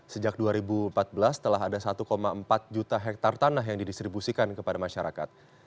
sejak dua ribu empat belas telah ada satu empat juta hektare tanah yang didistribusikan kepada masyarakat